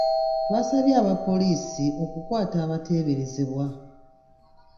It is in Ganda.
Twasabye aba poliisi okukwata abateeberezebwa.